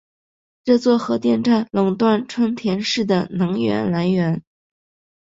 这座核电站垄断春田市的能源来源。